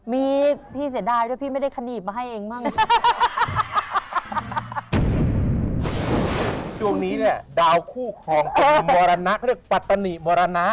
มีพี่เสียดายด้วยพี่ไม่ได้ขนีบมาให้เองบ้าง